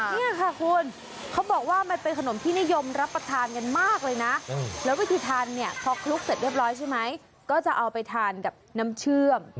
นี่ค่ะคุณเขาบอกว่ามันเป็นขนมที่นิยมรับประทานกันมากเลยนะแล้ววิธีทานเนี่ยพอคลุกเสร็จเรียบร้อยใช่ไหมก็จะเอาไปทานกับน้ำเชื่อม